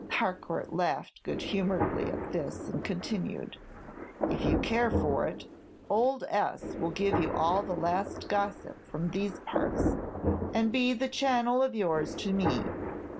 [Harcourt laughed good humoredly at this, and continued:] If you care for it, old S. will give you all the last gossip from these parts, and be the channel of yours to me.